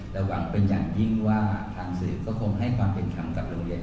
และหวังเป็นอย่างยิ่งว่าทางสื่อก็คงให้ความเป็นธรรมกับโรงเรียน